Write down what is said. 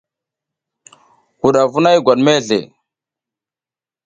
Wudavu na i gwat mezle.